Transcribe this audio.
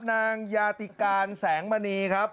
นางยาติการแสงมณีครับ